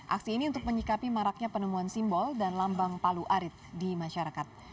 aksi ini untuk menyikapi maraknya penemuan simbol dan lambang palu arit di masyarakat